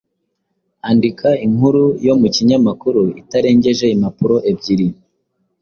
Andika inkuru yo mu kinyamakuru itarengeje impapuro ebyiri,